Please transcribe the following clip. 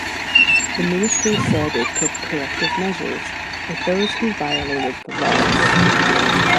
The ministry said it took "corrective measures" with those who violated the laws.